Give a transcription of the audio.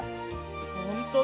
ほんとだ！